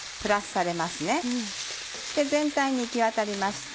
そして全体に行きわたりました。